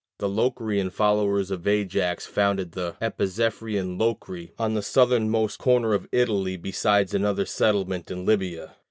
The Locrian followers of Ajax founded the Epizephyrian Locri on the southernmost corner of Italy, besides another settlement in Libya.